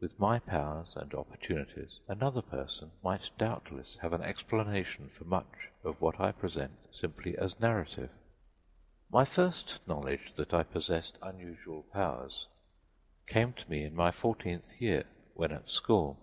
With my powers and opportunities, another person might doubtless have an explanation for much of what I present simply as narrative. My first knowledge that I possessed unusual powers came to me in my fourteenth year, when at school.